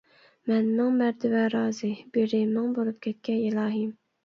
مەن مىڭ مەرتىۋە رازى، بىرى مىڭ بولۇپ كەتكەي ئىلاھىم!